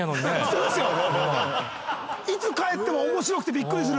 そうですね。